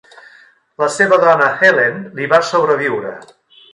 La seva dona Helen li va sobreviure.